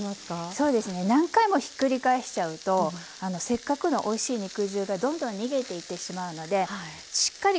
そうですね何回もひっくり返しちゃうとせっかくのおいしい肉汁がどんどん逃げていってしまうのでしっかり焦げてからひっくり返す。